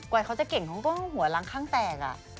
กว่าเขาจะเก่งเขาก็หัวรังข้างแตกอะ